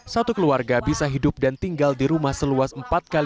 satu keluarga bisa hidup dan tinggal di rumah seluas empat kali